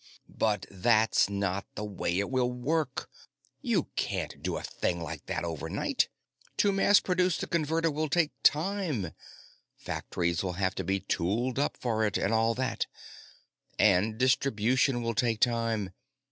"But that's not the way it will work! You can't do a thing like that overnight. To mass produce the Converter will take time factories will have to be tooled up for it, and all that. And distribution will take time.